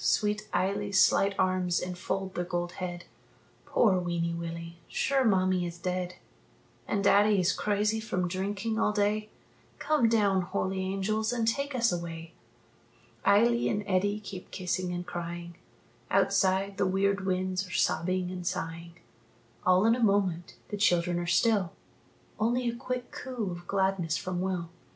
Sweet Eily's slight arms enfold the gold head: "Poor weeny Willie, sure mammie is dead And daddie is crazy from drinking all day Come down, holy angels, and take us away!" Eily and Eddie keep kissing and crying Outside, the weird winds are sobbing and sighing. All in a moment the children are still, Only a quick coo of gladness from Will.